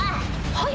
はい。